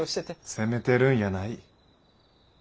責めてるんやない。